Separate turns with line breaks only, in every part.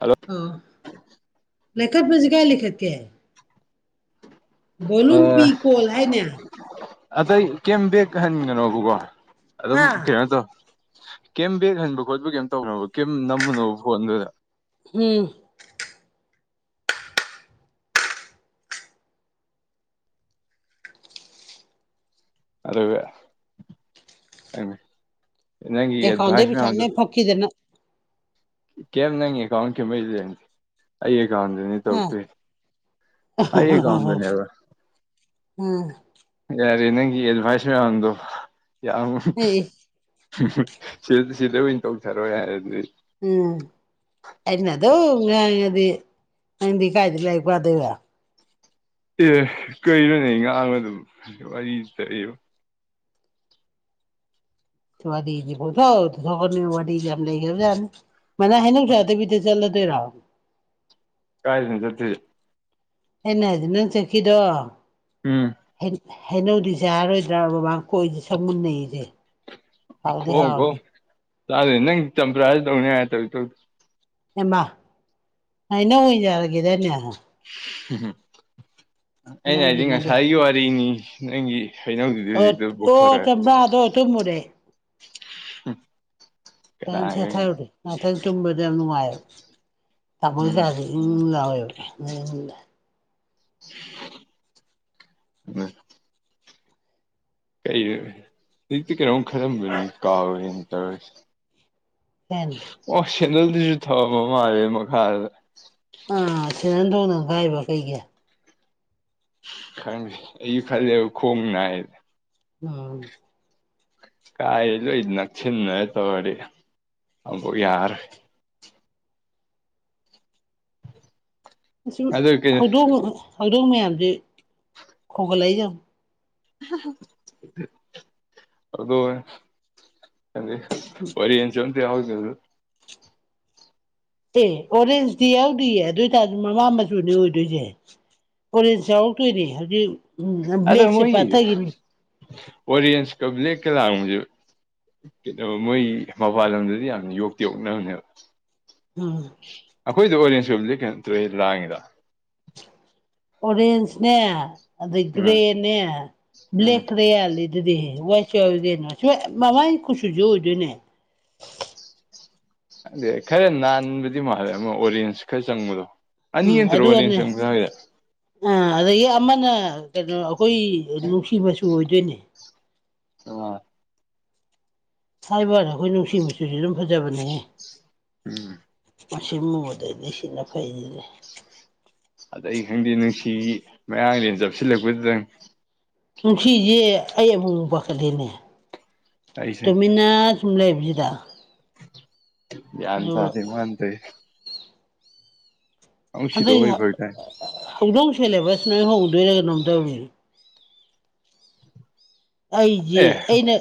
hello
ꯑ ꯂꯦꯈꯛ ꯃꯁꯤꯁ ꯀꯌꯥ ꯂ ꯂꯤꯈꯛ ꯀꯦ ꯚꯣꯂꯨꯝ ꯄꯤ ꯀꯣꯜ ꯍꯥꯏꯅꯦ
ꯑꯇꯩ ꯀꯦꯝ ꯕꯦꯛ ꯍꯟꯒꯅꯣꯕꯀꯣ ꯑꯗꯨꯝ
ꯍꯥ
ꯀꯩꯅꯣ ꯇꯧ ꯀꯩ ꯕꯦꯛ ꯍꯟꯕ ꯈꯣꯠꯄ ꯀꯩꯝ ꯇꯧꯅꯣ ꯀꯩꯝ ꯅꯝꯃꯨꯅꯣꯕ ꯐꯣꯟꯗꯨꯗ
ꯎꯝ
ꯑꯗꯕ
ꯑꯦꯀꯥꯎꯟꯗꯩ
ꯌꯦꯪꯚꯥꯁꯃ
ꯄꯩꯁꯥ
ꯑꯣꯗꯨ
ꯂꯣꯏ ꯐꯛꯈꯤꯗꯅ
ꯀꯦꯕ ꯅꯪ ꯑꯦꯀꯥꯎꯟ ꯀꯕꯩꯗꯦ ꯑꯩ ꯥꯎꯟꯗꯅꯤ
ꯑ
ꯇꯧꯛꯇ ꯑꯩ ꯀꯥꯎꯟꯗꯅꯤ ꯑꯕ
ꯎꯝ
ꯑ ꯅꯪꯒꯤ ꯑꯦꯗꯚꯥꯏꯁ ꯃꯌꯥꯝꯗꯣ ꯌꯥꯝ ꯁꯤ ꯁꯤꯗ ꯑꯣꯏꯅ ꯇꯧꯊꯔꯣꯏ ꯍꯥꯏꯔꯗꯤ
ꯎꯝ ꯑꯩꯅꯗꯧ ꯉꯗꯤ ꯅꯪꯗꯤ ꯀꯥꯏꯗꯤ ꯂꯥꯏꯔꯤꯛꯄꯗꯣꯏꯕ
ꯑꯦ ꯀꯩꯔꯅꯦ ꯉꯥꯡꯕ ꯑꯗꯨꯝ ꯋꯥꯔꯤ ꯆꯠꯏꯔ
ꯁ ꯋꯥꯗ ꯀꯣꯊꯣ ꯁ ꯋꯥꯗ ꯌꯥꯝ ꯂꯩ ꯃꯅ ꯍꯦꯅ ꯎ ꯌꯥꯗ ꯄꯤꯇꯩ ꯆꯂꯗꯔꯍ
ꯀꯥꯏ ꯊꯖ ꯊ
ꯍꯟꯅ ꯍꯥꯏꯗꯤ ꯅꯪ ꯆꯈꯤꯗꯣ
ꯎꯝ
ꯍꯩꯅꯧꯗꯤꯁꯦ ꯌꯥꯔꯣꯏꯗ꯭ꯔꯥ ꯕꯕꯥꯥꯡ ꯀꯣꯏꯁꯦ ꯁꯛ ꯃꯨꯟꯅꯩꯁꯦ ꯍꯥꯎꯗꯤ ꯍꯥꯎꯅꯦ
ꯆꯂꯦ ꯅꯪ ꯆꯄ꯭ꯔ ꯗꯧꯅꯦ ꯍꯥꯏ ꯇꯧ
ꯑꯦꯃ ꯏꯩꯅ ꯍꯖꯔꯒꯦꯗꯅꯦ
ꯑꯩꯅ ꯍꯥꯏꯗꯤ
ꯍꯩꯅꯧꯁꯤꯅꯗꯤ
ꯉꯁꯥꯏꯒꯤ ꯋꯥꯔꯤꯅꯤ ꯅꯪꯒꯤ ꯑꯩꯅꯪ ꯍꯧꯖꯤꯛꯇꯗꯤ
ꯑꯣ
ꯍꯧꯖꯤꯛꯇ
ꯑꯣ
ꯄꯨꯣꯛꯊꯣꯔꯛꯑꯦ
ꯠꯇ
ꯀꯅꯥꯒꯅꯤ
ꯑꯠꯇꯇꯕꯗꯅꯨꯡ ꯃꯌ ꯇꯣꯏꯁ
ꯎꯝ
ꯂꯑꯣ
ꯎ ꯀ ꯍꯧꯖꯤꯛꯇꯤ ꯀꯩꯅꯣꯝ ꯈꯜꯂꯝꯕꯅꯤ ꯀꯥꯎꯔꯦꯅ ꯇꯧꯔꯁꯤ
ꯊꯦꯟ
ꯀꯦꯟꯗꯜꯗꯨꯁꯨ ꯊꯃ ꯃꯥꯜꯂꯦ ꯃꯈꯥꯗ
ꯑꯥ ꯁꯦꯟꯍꯟ ꯊꯣꯡꯅ ꯀꯥꯏꯕ ꯀꯩꯒꯤ
ꯑꯩ ꯐꯦ ꯈꯣꯡꯣꯡꯅ
ꯑꯥ
ꯀꯥꯏꯂ ꯏ ꯅꯁꯤ ꯇ ꯋꯥꯔꯤ ꯑꯕꯨ ꯌꯥꯔ
ꯨꯝ
ꯑꯗꯨ ꯀꯩꯅꯣ
ꯍꯧꯗꯣꯡ ꯍꯧꯗꯣꯡ ꯃꯌꯥꯝꯁꯦ ꯈꯣꯒꯠꯂꯛꯏꯁ
ꯑꯗꯣ ꯑꯗ ꯋꯥꯔꯤꯔꯤ ꯌꯦꯟꯁꯨ ꯑꯇ ꯌꯥꯎꯒꯣ
ꯑꯦ ꯑꯣꯔꯦꯟꯖꯇꯤ ꯌꯥꯎꯗꯣꯏꯌꯦ ꯑꯗꯨ ꯑꯣꯏꯇꯥꯔꯗꯤ ꯃꯃꯥ ꯃꯆꯨꯅꯦ ꯑꯣꯏꯗꯣꯏꯁꯦ ꯑꯣꯔꯦꯟꯖ ꯌꯥꯎꯔꯛꯇꯣꯏꯅꯦ ꯍꯧꯖꯤꯛ ꯎ ꯕ꯭ꯂꯦꯛꯁꯦ ꯄꯥꯊꯈꯤꯅꯤ
ꯑꯣꯔꯤꯟꯖ ꯀ ꯂꯀ ꯂꯥꯦ ꯀꯩꯅꯣ ꯃꯣꯏ ꯃꯄꯥꯟ ꯂꯝꯗꯗꯤ ꯌꯥꯝ ꯌꯣꯛꯇꯤ ꯌꯣꯛꯅꯕꯅꯦꯕ
ꯎꯝ
ꯑꯩꯈꯣꯏꯗ ꯑꯣꯔꯦꯟꯖ ꯔꯣꯝꯁꯦ ꯀꯩꯅꯝꯇ ꯂꯥꯡꯉꯤꯗ
ꯑꯣꯔꯦꯟꯖꯅꯦ ꯑꯗꯩ
ꯎꯝ
ꯒ꯭ꯔꯦꯅꯦ
ꯎꯝ
ꯕ꯭ꯂꯦꯛꯅꯦꯦ ꯑꯗꯨꯗꯤ ꯋꯥꯏꯁꯨꯎꯗꯦꯅ ꯃꯃꯒꯤ ꯀꯨꯠꯁꯨꯁꯨ ꯑꯣꯏꯗꯣꯏꯅꯦ
ꯑꯗꯨꯗꯤ ꯈꯔ ꯅꯥꯟꯕꯗꯤ ꯃꯥꯜꯂꯦ ꯑꯃ ꯑꯣꯔꯦꯟꯖ ꯈꯔ ꯆꯪꯕꯗꯣ ꯑꯅꯤ
ꯎꯝ
ꯌꯦꯟꯗ꯭ꯔꯣ ꯋꯥꯔꯤꯅꯤ
ꯑꯗꯨꯒꯅꯦ
ꯆꯪꯁ ꯍꯥꯏꯔꯦ
ꯑꯥ ꯑꯗꯒꯤ ꯑꯃꯅ ꯀꯩꯅꯣ ꯑꯩꯈꯣꯏ ꯅꯨꯡꯁꯤꯕꯁꯨ ꯑꯣꯏꯗꯣꯏꯅꯦ
ꯑ
ꯍꯥꯏꯕꯁ ꯑꯩꯈꯣꯏ ꯅꯨꯡꯁꯤꯕꯁꯨꯨꯁꯨ ꯑꯗꯨꯝ ꯐꯖꯕꯅꯦꯍꯦ
ꯎꯝ
ꯃꯁꯤ ꯃꯗ ꯍꯥꯏꯁꯤꯅ ꯐꯥꯏꯖ ꯂꯩ
ꯑꯗ ꯑꯩ ꯈꯪꯗꯦ ꯅꯨꯡꯁꯤ ꯃꯌꯥꯥꯡꯗ ꯆꯞꯁꯤꯜꯂꯛꯄꯗꯨꯗꯪ
ꯅꯨꯡꯁꯤꯁꯦ ꯑꯩ ꯑꯃꯨꯛꯛ ꯄꯥꯈꯠꯂꯤꯅꯦ
ꯑꯩꯁꯨ
ꯇꯣꯃꯤ ꯊꯨꯝꯂꯦꯕꯤꯗꯗꯥ
ꯌꯥ ꯇ ꯑꯗꯨꯃ ꯇꯦ
ꯑꯗꯩ
ꯁꯤꯗꯣꯛꯈ꯭ꯔꯗꯤ ꯐꯔꯛ ꯇꯥꯏ
ꯍꯧꯗꯣꯡ ꯁꯦꯂꯦꯕꯁ ꯅꯣꯏ ꯍꯧꯗꯣꯏꯔꯥ ꯀꯩꯅꯣꯝ ꯇꯧꯋ ꯑꯩꯁꯦ
ꯑꯦ
ꯑꯩꯅ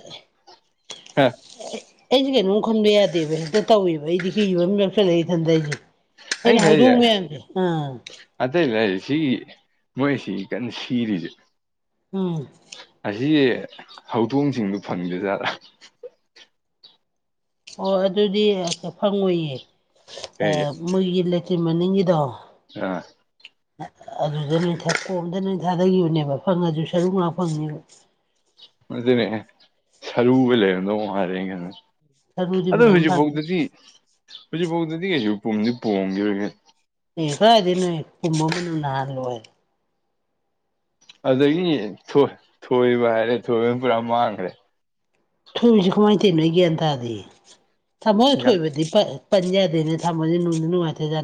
ꯑꯩꯁꯤꯦ ꯀꯩꯅꯣ ꯈꯨꯟꯕ ꯌꯥꯗꯦꯕ ꯍꯦꯛꯇ ꯇꯧꯋꯦꯕ ꯑꯩꯗꯤ ꯍꯤꯕ ꯑꯃ ꯌꯥꯎꯁꯜꯂꯛꯏ ꯏꯊꯟꯗ ꯑꯩꯁꯦ ꯑꯩꯅ ꯍꯧꯗꯣꯡ ꯃꯁꯦ ꯑꯥ
ꯑꯇꯩ ꯂꯩ ꯁꯤꯒꯤ ꯃꯣꯏꯁꯤ ꯀꯟꯅ ꯁꯤꯔꯤꯁꯦ
ꯎꯝ
ꯑꯁꯤꯒꯤ ꯍꯧꯗꯣꯡꯁꯤꯡꯗꯨ ꯐꯪꯗꯦꯖꯥꯠꯥ
ꯑꯣ ꯑꯗꯨꯗꯤ ꯐꯪꯉꯣꯏꯌꯦ
ꯀꯩ
ꯃꯣꯏꯒꯤ ꯂꯩꯇ꯭ꯔꯤ ꯃꯅꯤꯡꯒꯤꯗꯣ
ꯑꯥ
ꯑꯗꯨꯗ ꯅꯣꯏ ꯊꯛ ꯀꯣꯝꯇ ꯅꯣꯏ ꯊꯥꯗꯈꯤꯕꯅꯦꯕ ꯐꯪꯉꯁꯨ ꯁꯔꯨꯛ ꯉꯥꯛ ꯐꯪꯉꯦꯕ
ꯑꯗꯨ ꯑꯗꯨꯅꯦ ꯁꯔꯨꯕ ꯂꯩꯔꯗꯣꯉꯔꯦ
ꯁꯔꯨꯗꯤ
ꯑꯗ
ꯐꯖꯅ ꯐꯪꯉꯅꯤ
ꯍꯧꯖꯤꯛꯐꯥꯎꯗꯗꯤ ꯍꯧꯖꯤꯛꯐꯥꯎꯗꯗꯤ ꯀꯩꯁꯨ ꯄꯨꯝꯗꯤ ꯄꯣꯡꯈꯤꯔꯒꯦ
ꯑꯦ ꯈꯣꯏ ꯍꯥꯏꯗꯤ ꯅꯣꯏ ꯀꯨꯝꯕ ꯃꯅꯨꯡꯅ ꯅꯍꯥꯟꯜꯂꯣꯏ
ꯑꯗꯒꯤ ꯊꯣꯏꯕ ꯍꯥꯏꯔꯦ ꯊꯣꯏꯕꯅ ꯄꯨꯔꯥ ꯃꯥꯡꯈ꯭ꯔꯦ
ꯊꯣꯏꯕꯁꯤ ꯀꯃꯥꯏꯅ ꯇꯧꯔꯤꯅꯣꯣꯏ ꯒ꯭ꯌꯥꯟ ꯇꯥꯔꯗꯤ ꯊꯃꯣꯏ ꯊꯣꯏꯕꯗꯤ ꯄꯟꯥꯗꯅꯦ ꯊꯃꯣ ꯅꯅ ꯏ ꯊꯦꯖꯦ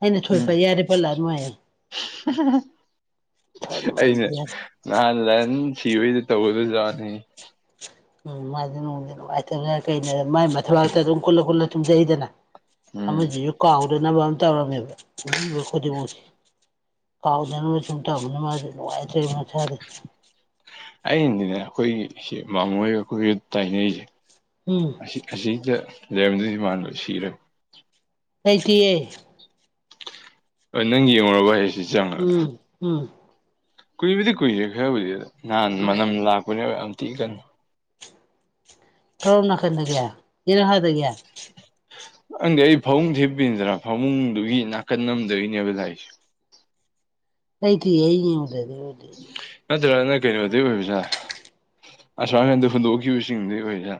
ꯑꯩꯅ
ꯎꯝ
ꯁꯣꯏꯄ ꯌꯥꯔꯦ ꯄꯜꯂꯥ ꯅꯨꯡꯉꯥꯏꯌꯦ
ꯑꯩꯅ ꯅꯍꯥꯟ ꯂꯍꯟ ꯁꯤꯕꯏꯗ ꯇꯧꯕꯗꯖ ꯋꯥꯠꯅꯤꯩ
ꯎꯝ ꯃꯥꯗꯤ ꯅꯨꯡꯗꯤ ꯅꯨꯡꯉꯥꯏꯇꯅ ꯀꯩꯅ ꯃꯥꯏ ꯃꯊꯕꯥꯛꯇ ꯑꯗꯨꯝ ꯈꯨꯠꯂ ꯈꯨꯠꯂ ꯇꯨꯝꯖꯩꯗꯅ
ꯎꯝ
ꯑꯃꯁꯤꯁꯨ ꯀꯥꯎꯗꯅꯕ ꯑꯃ ꯇꯧꯔꯝꯃꯦꯕ ꯈꯨꯗꯤꯡꯃꯛꯁꯦ ꯀꯥꯎꯗꯅ ꯆꯟꯇꯕꯅꯤ ꯃꯥꯦ
ꯑꯗꯤꯅꯦ ꯑꯩꯈꯣꯏꯒꯤ ꯑꯁꯤ ꯃꯃꯣꯏ ꯑꯩꯈꯣꯏꯒ ꯇꯥꯏꯅꯔꯤꯁꯦ
ꯎꯝ
ꯑꯁꯤ ꯑꯁꯤꯗ ꯂꯩꯦꯝꯗꯤꯗꯤ ꯃꯥꯟꯅꯕ ꯁꯤꯔꯦ
ꯑꯩꯠꯇꯤ ꯑꯩ
ꯍ ꯅꯪ ꯌꯦꯡꯉꯨꯔꯕ ꯍꯥꯏ ꯁꯤꯦ
ꯎꯝ ꯎꯝ
ꯀꯨꯏꯕꯨꯗꯤ ꯀꯨꯏꯔꯦ ꯈꯔꯕꯨꯗꯤ ꯅꯍꯥꯟ ꯃꯅꯝ ꯂꯥꯛꯄꯅꯦꯕ ꯌꯥꯝ ꯇꯤꯛꯏ ꯀꯅꯨ
ꯊꯣꯔꯝꯅꯅꯥ ꯈꯟꯗꯒꯦ ꯌꯦꯔ ꯍꯥꯏꯥꯏꯗꯒꯦ
ꯅꯪꯗꯤ ꯑꯩ ꯐꯃꯨꯡ ꯊꯤꯄꯤꯗ꯭ꯔ ꯐꯃꯨꯡꯗꯨꯒꯤ ꯅꯥꯀꯟ ꯅꯝꯗꯣꯏꯅꯦꯕ ꯂꯥꯛꯏꯁꯦ
ꯍꯩꯇ ꯌꯦꯉ ꯑꯣꯏꯗꯗꯤ ꯑꯣꯏꯗꯤ
ꯅꯠꯇ꯭ꯔꯒꯅ ꯀꯩꯅꯣꯗꯩ ꯑꯣꯏꯕꯖꯥ ꯑꯁꯃꯔꯥꯟꯗ ꯍꯨꯟꯗꯣꯛꯈꯤꯕꯁꯤꯡꯗꯩ ꯑꯣꯏꯕꯖꯥ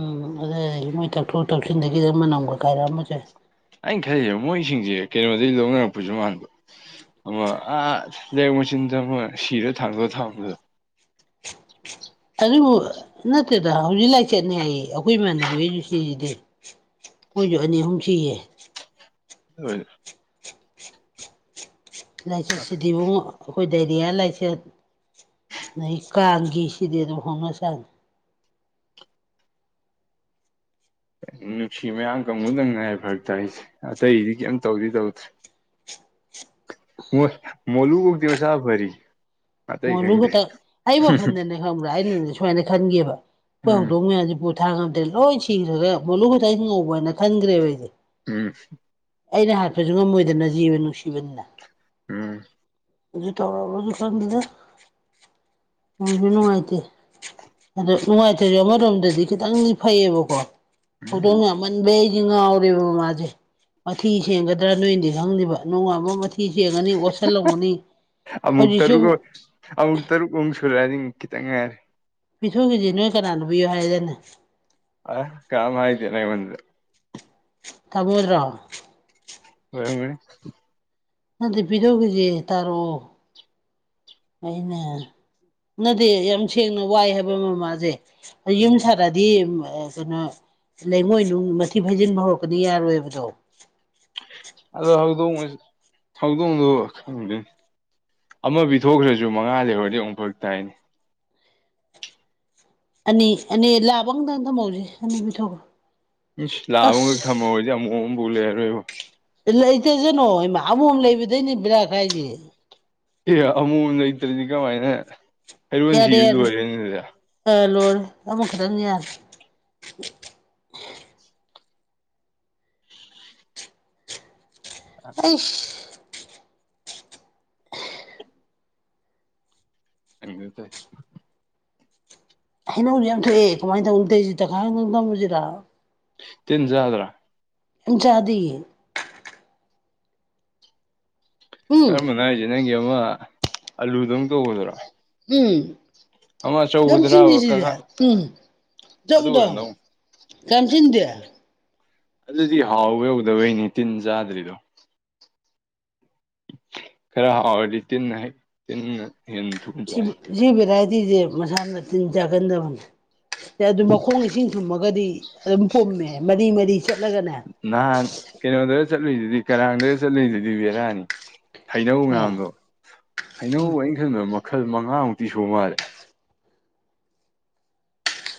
ꯎꯝ ꯑꯗꯨ ꯃꯣꯏ ꯇꯥꯛꯊꯣꯛ ꯇꯧꯁꯤꯟꯗꯒꯤꯗꯤ ꯃꯅꯝ ꯀꯈꯥꯏꯔꯛꯑꯝꯃꯁꯦ
ꯑꯩꯅ ꯈꯜꯂꯤꯁꯕ ꯃꯣꯏꯁꯤꯡꯁꯦ ꯀꯩꯅꯣꯗꯒꯤꯩ ꯂꯧꯅꯔꯛꯄꯁꯨ ꯃꯥꯟꯕ ꯑꯃ ꯑꯥ ꯂꯩꯔꯛ ꯃꯆꯤꯟꯗ ꯑꯃ ꯁꯤꯔꯣ ꯊꯥꯡꯗꯣ ꯊꯥꯡꯕꯗꯣ
ꯑꯗꯨꯕꯨ ꯅꯠꯇꯦꯗ ꯍꯧꯖꯤꯛ ꯂꯥꯏꯆꯠꯅꯤ ꯍꯥꯏ ꯑꯩꯈꯣꯏ ꯏꯃ ꯁꯤꯗꯦ ꯑꯣꯏꯖꯅꯤ ꯍꯧꯨ ꯁꯤꯌꯦ
ꯑꯣꯏ
ꯂꯥꯏꯆꯠꯁꯤꯗꯤꯕꯨꯛ ꯑꯩꯈꯣꯏ ꯗꯥꯏꯔꯤꯌꯥ ꯂꯥꯏꯆꯠ ꯑꯣꯏ ꯀꯥꯡꯒꯤꯁꯤꯗꯤ ꯑꯗꯨꯝ ꯍꯣꯠꯅ ꯆꯪꯉ
ꯅꯨꯡꯁꯤ ꯃꯌꯥꯝ ꯀꯥꯡꯪꯕꯨꯨꯗꯪ ꯉꯥꯏ ꯐꯔꯛꯇ ꯑꯩꯁꯦ ꯑꯇꯩꯗꯤ ꯀꯩꯝ ꯇꯧꯗꯤ ꯇꯧꯗ꯭ꯔꯦ ꯃꯣꯂꯨ ꯀꯣꯛꯛꯇ ꯃ ꯁꯥ ꯐꯔꯤ ꯑꯇꯩ
ꯃꯣꯅꯨ
ꯈꯪꯗꯦ
ꯈꯛꯇꯪ ꯑꯩ ꯋꯥꯈꯟꯗꯅꯦ ꯈꯪꯕ꯭ꯔꯥ ꯑꯩꯅꯅꯦ ꯁꯨꯃꯥꯏꯅ ꯈꯟꯒꯦꯕ ꯑꯩꯈꯣꯏ
ꯎꯝ
ꯍꯧꯗꯣꯡ ꯃꯌꯥꯝꯁꯤꯦ ꯄꯣꯊꯥ ꯉꯇꯦ ꯂꯣꯏ ꯁꯤꯈ꯭ꯔꯒ ꯃꯣꯠꯂꯨ ꯇ ꯍꯤꯡ ꯉꯧꯕ ꯍꯥꯏꯅ ꯈꯟꯈ꯭ꯔꯦꯕ ꯑꯩꯁꯦ
ꯎꯝ
ꯑꯩꯅ ꯍꯥꯠꯄꯁꯨ ꯉꯝꯃꯣꯏꯗꯅ ꯖꯤꯕ ꯅꯨꯡꯁꯤꯕꯅꯤꯅ
ꯎꯝ
ꯊꯧꯔ ꯑꯗꯨꯀꯥꯟ ꯀꯗ ꯃꯅ ꯃꯥꯍꯤꯇ ꯑꯗꯣ ꯅꯨꯡꯉꯥꯏꯇꯔꯤꯕ ꯑꯃꯔꯣꯝꯗꯗꯤ ꯈꯤꯇꯪꯗꯤ ꯐꯩꯌꯦꯕꯀꯣ ꯊꯗ
ꯎꯝ
ꯑꯃꯟꯕꯩ ꯁꯤ ꯉꯥꯎꯔꯦꯕ ꯃꯃꯥꯁꯦ ꯃꯊꯤ ꯁꯦꯡꯒꯗ꯭ꯔꯥ ꯅꯣꯏꯅꯗꯤ ꯈꯪꯗꯦꯕ ꯅꯣꯡꯉꯥꯟꯕ ꯃꯊꯤ ꯊꯤ ꯁꯦꯡꯉꯅꯤ ꯑꯣꯠꯁꯤꯜꯂꯝꯒꯅꯤ
ꯑꯃꯨꯛ
ꯍꯧꯖꯤꯛꯁꯨ
ꯇꯔꯨꯛ ꯑꯃꯨꯛ ꯇꯔꯨꯛꯃꯨꯛ ꯁꯨꯔꯛꯑꯗꯤ ꯈꯤꯇꯪ ꯉꯥꯏꯔꯦ
ꯄꯤꯊꯣꯛꯈꯤꯁꯤ ꯅꯣꯏ ꯀꯅꯥꯅꯨꯕꯤꯌꯣ ꯍꯥꯏꯔꯗꯅꯦ
ꯑ ꯀꯝ ꯍꯥꯏꯥꯏꯗꯦ ꯅꯪ ꯃꯗ
ꯇꯕꯣꯗ꯭ꯔꯣ
ꯍꯅꯤ
ꯅꯪꯗꯤ ꯄꯤꯗꯧꯈꯤꯁꯦ ꯇꯥꯔꯛꯑꯣ ꯑꯩꯅ ꯅꯗꯤꯦ ꯌꯥꯝ ꯁꯦꯡꯅ ꯋꯥꯏ ꯍꯥꯏꯕ ꯃꯃꯥꯁꯦ ꯌꯨꯝ ꯁꯥꯔꯑꯗꯤ ꯀꯩꯅꯣ ꯂꯩꯉꯣꯏ ꯅꯨꯡ ꯃꯊꯤ ꯐꯩꯖꯤꯟꯕ ꯍꯧꯔꯛꯄꯗꯤ ꯌꯥꯔꯣꯏꯕꯗꯣ
ꯑꯗꯣ ꯍꯧꯗꯣꯡ ꯍꯧꯗꯣꯡꯗ ꯈꯪꯗ ꯑꯃ ꯄꯤ ꯊꯣꯛꯈ꯭ꯔꯁꯨ ꯃꯉꯥ ꯂꯩꯍꯧꯔꯗꯤ ꯑꯃꯨꯛꯐ ꯇꯥꯏꯅꯦ
ꯑꯅꯤ ꯑꯅꯤ ꯂꯥꯕ ꯑꯨꯛꯇꯪ ꯊꯝꯍꯧꯁꯦ ꯑꯅꯤ ꯄꯤꯊꯣꯛꯄ
ꯎꯝ ꯂꯕꯒ ꯊꯝꯃꯑꯣꯣꯏꯖ ꯌꯥꯝ ꯑꯃꯣꯝꯕꯨꯂꯦꯔꯣꯏꯕ
ꯂꯩꯇꯁꯅꯣ ꯏꯃ ꯑꯃꯝ ꯂꯩꯕꯗꯩꯅꯦ ꯕꯤꯔꯥꯛ ꯍꯥꯏꯁꯦ
ꯑꯦ ꯑꯃꯨ ꯂꯩꯇ꯭ꯔꯗꯤ ꯀꯃꯥꯏꯅ ꯍꯩꯔꯣꯟ ꯁꯤꯕ ꯂꯣꯏꯔꯦꯅꯤ ꯑꯗꯨꯗ
ꯂꯔ ꯑꯃꯊꯔꯅꯤ ꯍꯥꯏ ꯑꯩ
ꯑ
ꯍꯩꯅꯧꯁꯨ ꯌꯥꯝ ꯊꯣꯛꯑꯦ ꯀꯃꯥꯏꯅ ꯇꯧꯅ ꯇꯩꯁꯤ ꯇꯈꯥꯏ ꯇꯝꯁꯤꯔ
ꯇꯤꯟ ꯆꯗ꯭ꯔꯥ
ꯖꯥꯗꯤ ꯎꯝ
ꯀꯔꯝꯕꯅ ꯍꯥꯏꯁꯦ ꯅꯪꯒꯤ ꯑꯃ ꯑꯂꯨꯗꯧ ꯇꯧꯒꯗꯣꯏꯔꯣ
ꯎꯝ ꯌꯥꯝꯁꯤꯟꯉꯁꯤꯅꯦ
ꯀꯀꯥ
ꯎꯝ
ꯑꯗꯨ
ꯆꯎꯗ
ꯑꯣꯏꯔꯝꯗꯧ
ꯀꯝꯁꯤꯤꯟꯗꯌꯥ
ꯑꯗꯨꯗꯤ ꯍꯥꯎꯕ ꯍꯧꯗꯕꯩꯅꯦ ꯇꯤꯟ ꯆꯥꯗ꯭ꯔꯤꯗꯣ ꯈꯔ ꯍꯥꯎꯔꯗꯤ ꯇꯤꯟꯅ ꯇꯤꯟꯅ ꯍꯦꯟꯅ ꯊꯨ ꯆꯥꯏ
ꯇꯁꯦ ꯃꯁꯥꯅ ꯇꯤꯟ ꯆꯥꯒꯟꯗꯕꯅꯦ ꯑꯗꯨ ꯃꯈꯣꯡ ꯏꯁꯤꯡ ꯊꯨꯝꯃꯒꯗꯤ ꯑꯗꯨꯝ ꯄꯨꯝꯃꯦ ꯃꯔꯤ ꯃꯔꯤ ꯆꯠꯂꯒꯅꯦ
ꯅꯍꯥꯟ ꯀꯩꯅꯣꯗꯒ ꯆꯠꯂꯨꯏꯗꯨꯗꯤ ꯀꯔꯥꯡꯗ ꯆꯠꯂꯨꯏꯗꯨꯗꯤ ꯕꯦꯔꯥꯅꯤ ꯍꯩꯅꯧ
ꯑꯦ
ꯃꯌꯥꯝꯗꯣ ꯍꯩꯅꯧ ꯑꯩꯅ ꯈꯟꯕ ꯃꯈꯜ ꯃꯉꯥꯃꯨꯛꯇꯤ ꯁꯨ ꯃꯥꯜꯂꯦ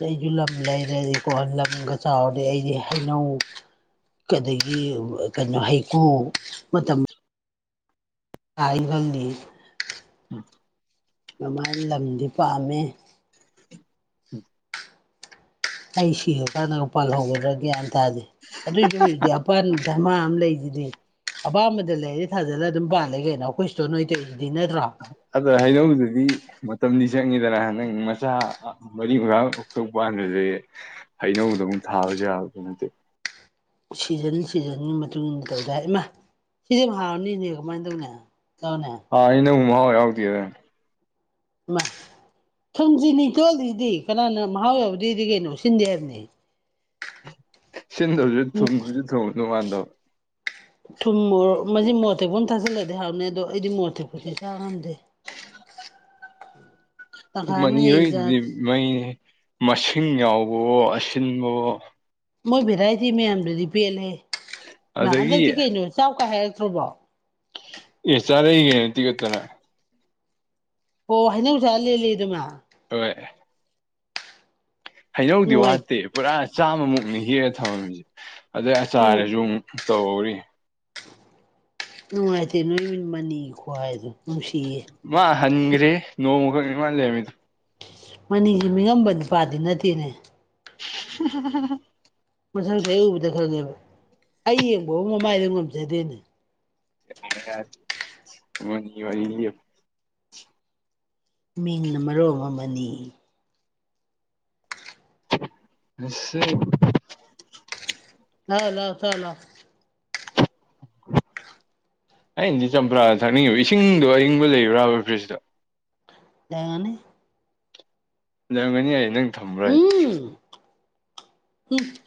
ꯑꯩꯁꯨ ꯂꯝ ꯂꯩꯔꯗꯤꯀꯣ ꯂꯝꯒ ꯆꯥꯎꯔꯔꯦ ꯑꯩꯗꯤ ꯍꯩꯅꯧ ꯑꯗꯒꯤ ꯀꯩꯅꯣ ꯍꯩꯀꯨ ꯃꯇꯝ ꯇꯥꯏ ꯐꯪꯅꯤ ꯃꯃꯥꯏ ꯂꯝꯗꯤ ꯄꯥꯝꯃꯦ ꯑꯩ ꯁꯤꯔꯀꯥꯟꯗ ꯄꯥꯜꯍꯒꯗ꯭ꯔꯥ ꯒ꯭ꯌꯥꯟ ꯇꯥꯗꯦ ꯑꯗꯨꯏꯁꯨ ꯍꯧꯖꯤꯗꯤ ꯑꯄꯥ ꯙꯔꯃꯥ ꯑꯃ ꯂꯩꯁꯤꯗꯤ ꯑꯄꯥꯝꯕꯗ ꯂꯩꯔꯤ ꯊꯥꯖꯤꯜꯂꯒ ꯑꯗꯨꯝ ꯄꯥꯜꯂꯦ ꯀꯩꯅꯣ ꯑꯩꯈꯣꯏ ꯁꯤꯇꯣ ꯅꯣꯏ ꯇꯧꯏꯗꯨꯗꯤ ꯅꯠꯇ꯭ꯔꯣ
ꯑꯗ ꯍꯩꯅꯧꯗꯨꯗꯤ ꯃꯇꯝꯗꯤ ꯆꯪꯉꯤꯗꯅ ꯅꯪ ꯃꯆꯥ ꯃꯔꯤ ꯃꯉꯥ ꯍꯥꯟꯗꯤ ꯍꯩꯅꯧꯗ ꯑꯃꯨꯛ ꯊꯥꯕꯁꯨ ꯌꯥꯕ ꯅꯠꯇꯦ
ꯁꯤꯖꯟ ꯁꯤꯖꯟꯒꯤ ꯃꯇꯨꯡ ꯏꯟꯅ ꯇꯧꯗꯥ ꯏꯃꯥ ꯁꯤꯁ ꯍꯥꯎꯔꯅꯤꯅꯦ ꯀꯃꯥꯏꯅ ꯇꯧꯅꯤ ꯇꯧꯅꯦ
ꯑꯥ ꯑꯩꯅ ꯍꯨꯃꯥꯎꯥꯎꯇ ꯑ
[inaudible] ꯊꯪꯁꯤ ꯅꯤꯡꯇꯣꯜꯂꯤꯁꯤꯗꯤ ꯀꯅꯥꯅ ꯃꯍꯥꯎꯕꯗꯨꯗꯤ ꯀꯩꯅꯣ ꯁꯤꯟꯗꯦ ꯍꯥꯏꯕꯅꯤ
ꯁꯤꯟꯗꯕꯁꯨ ꯊꯨꯝꯁꯨ ꯊꯨꯝꯉꯅꯨ ꯃꯥꯟꯗꯣ
ꯊꯨꯝ ꯃꯣꯔ ꯃꯁꯤ ꯃꯣꯔꯠꯇꯦꯛꯕꯝ ꯊꯥꯖꯤꯜꯂꯗꯤ ꯍꯥꯏꯥꯎꯅꯤ ꯑꯗꯣ ꯑꯩꯗꯤ ꯃꯣꯠꯇꯦꯄꯗꯤ ꯆꯥ ꯉꯝꯗꯦ ꯇꯪꯈꯥꯏ ꯑꯃꯅ ꯍꯌꯦꯡ ꯆꯥ
ꯃꯅꯤꯍꯣꯏꯗꯨꯗꯤ ꯃꯩꯅꯦ ꯃꯁꯤꯡ ꯌꯥꯎꯕꯋꯣ ꯑꯁꯤꯟꯕꯋꯣ
ꯃꯣꯏ ꯚꯦꯔꯥꯏꯇꯤ ꯃꯌꯥꯝꯗꯨꯗꯤ ꯄꯦꯜꯂꯦ
ꯑꯗꯒꯤ
ꯍꯟꯗꯛꯇꯤ ꯀꯩꯅꯣ ꯆꯥꯎꯀꯥꯏ ꯍꯥꯏꯔꯛꯇ꯭ꯔꯣꯕꯣ
ꯑꯦ ꯆꯔꯦꯒ ꯇꯤꯒꯠꯇꯔ
ꯑꯣ ꯍꯥꯏꯅ ꯎꯁ ꯂꯩ ꯑꯗꯨꯃ
ꯍꯣꯏ ꯍꯩꯅꯧꯗꯤ
ꯅꯨꯡꯉꯥꯏ
ꯋꯥꯠꯇꯦ ꯄꯨꯔꯥ ꯆꯥꯝꯃꯨꯛꯅꯤ ꯍꯦꯛꯑ ꯊꯝꯃꯝꯃꯤꯁꯦ ꯑꯗꯩ
ꯎꯝ
ꯑꯆꯥꯔꯁꯨ ꯑꯃꯨꯛ ꯇꯧꯔꯤ
ꯅꯨꯡꯉꯥꯏꯇꯦ ꯅꯣꯏ ꯃꯤꯠ ꯃꯅꯤ ꯈ꯭ꯋꯥꯏꯗꯣ ꯅꯨꯡꯁꯤꯌꯦ
ꯍꯪꯒ꯭ꯔꯦ ꯅꯣꯡꯃꯨ ꯈꯪꯅꯤ ꯃꯥꯜꯂꯦꯃꯤꯗꯨ
ꯃꯅꯤꯒꯤ ꯃꯤꯉꯝꯕ ꯅꯨꯄꯥꯗꯤ ꯅꯠꯇꯦꯅꯦ
[inaudible]
ꯃꯊꯪꯁ ꯑꯩ ꯎꯕꯗ ꯈꯪꯉꯦꯕ ꯑꯩ ꯌꯦꯡꯕ ꯃꯃꯥꯏꯗ ꯉꯝꯖꯗꯦꯅꯦ
ꯌꯥꯔ ꯌꯥꯔ ꯃꯅꯤ ꯋꯥꯔꯤꯅꯤ
ꯃꯤꯡꯅ ꯃꯔꯣ ꯑꯃꯅꯤ
ꯑ
ꯂ ꯂꯥꯛꯑꯣ ꯐ ꯂꯥꯛꯑꯣ
ꯑꯩꯅꯗꯤ ꯆꯝꯄ꯭ꯔꯥꯗ ꯊꯛꯅꯤꯡꯉꯤꯕ ꯏꯁꯤꯡꯗꯣ ꯑꯏꯪꯕ ꯂꯩꯕ꯭ꯔꯥꯕ ꯐ꯭ꯔꯤꯖꯇ
ꯌꯥꯒꯅꯤ
ꯅ ꯉꯅꯤ ꯍꯥꯏ ꯅꯪ ꯊꯝꯕ꯭ꯔꯥ
ꯎꯝ ꯎꯝ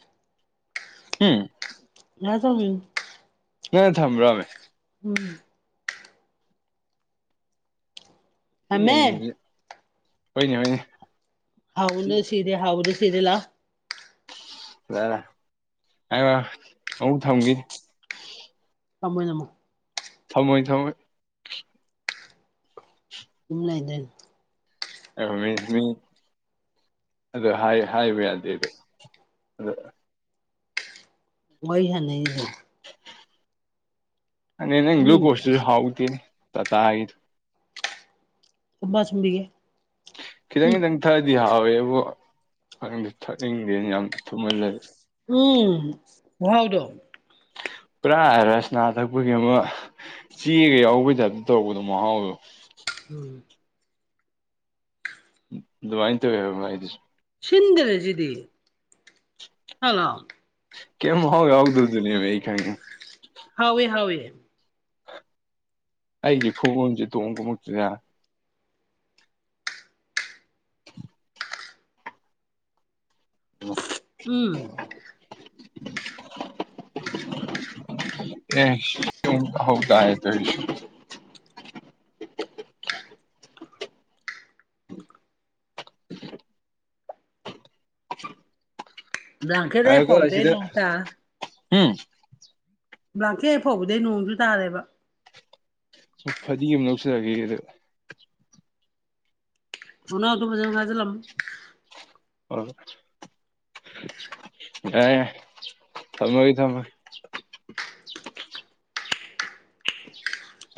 ꯎꯝ
ꯉꯁ
ꯅ ꯊꯝꯕ꯭ꯔꯣꯃꯦ
ꯎꯝ ꯊꯝꯃꯦ
ꯏꯉꯁ ꯍꯣꯏꯅꯦ ꯍꯣꯏꯅꯦ
ꯍꯥꯎꯅ ꯁꯤꯤꯔꯦ ꯍꯥꯎꯗ ꯁꯤꯤꯔꯦ ꯂ
ꯗꯥ ꯑ ꯑ ꯊꯒ
ꯇꯃꯣꯏ ꯑꯃꯃꯣ
ꯊꯝꯃꯣꯏ ꯊꯝꯃꯣꯏ
ꯏꯝ ꯂꯥꯏꯗ꯭ꯔꯦꯟ
ꯑ ꯃꯤ ꯃꯤ ꯑꯗꯨꯗ ꯍꯥꯏ ꯍꯥꯏꯋꯗꯗꯤ ꯑꯗ
ꯋꯥꯏ ꯍꯅ
ꯎ ꯑ ꯏ
ꯎꯝ
ꯀꯣꯁ ꯍꯥꯎ ꯇ
ꯎꯃ ꯆꯕꯤꯒꯦ
ꯈꯤꯇꯪ ꯈꯤꯇꯪ ꯊꯛꯑꯗꯤ ꯍꯥꯎꯋꯦ ꯑꯗꯨꯕꯨ ꯈ ꯊꯛꯅꯤꯡꯗꯦꯅ ꯌꯥꯝ ꯊꯨꯝꯍꯜꯂ
ꯎꯝ ꯍꯥꯎꯗꯣ
ꯄꯨꯔꯥ ꯍꯥꯏꯔꯁꯅꯥ ꯊꯛꯄꯒꯤ ꯑꯃꯨꯛ ꯆꯦꯒ ꯌꯥꯎꯕꯩꯗꯞꯇ ꯇꯧꯕꯗꯣ ꯃꯍꯥꯎꯗꯣ
ꯎꯝ
ꯑꯗꯨꯃꯥꯏꯅ ꯇꯋꯦꯕꯗꯤ
ꯁꯤꯟꯗ꯭ꯔꯦꯁꯤꯗꯤ ꯍꯜꯂꯣ
ꯀꯦꯝ ꯍꯧꯒ ꯍꯧꯗ ꯅꯌꯥ ꯃ ꯈꯥꯏꯦ
ꯍꯥꯎꯦ ꯍꯥꯎꯦ
ꯑꯩꯁꯦ ꯈꯎꯝꯁꯦ ꯇꯣꯡꯕꯃꯨꯛꯇꯅꯦ [unintelligible]
ꯎꯝ
ꯑꯦ ꯍꯧ ꯇꯑ ꯇ [unintelligible]
ꯂꯥꯡꯀꯦꯗ
ꯍꯥꯏꯔꯒ ꯑꯁꯤꯗ
ꯐꯧꯗꯅ ꯇ
ꯎꯝ
ꯂꯥꯡꯀꯦ ꯐꯥꯎꯕꯗꯩ ꯅꯣꯡꯁꯨ ꯇꯥꯔꯦꯕ
ꯁ ꯐꯗꯤ ꯑꯃ ꯂꯧꯁꯤꯔꯛꯑꯒꯦ ꯑꯗ
ꯍꯅ ꯑꯇ ꯃꯖ ꯉꯥꯏꯖ ꯂꯝꯂꯝ
ꯍ ꯑ ꯊꯃꯣꯏ ꯊꯃꯣꯏ
[unintelligible]
[unintelligible]